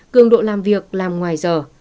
cường độ làm việc làm ngoài giờ